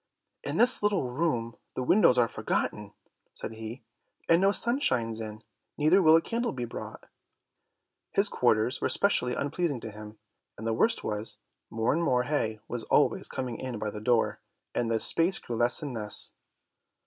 "In this little room the windows are forgotten," said he, "and no sun shines in, neither will a candle be brought." His quarters were especially unpleasing to him, and the worst was, more and more hay was always coming in by the door, and the space grew less and less.